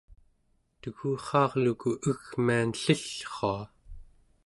tegurraarluku egmian ellillrua